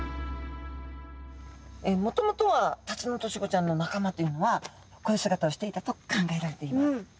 もともとはタツノオトシゴちゃんの仲間というのはこういう姿をしていたと考えられています。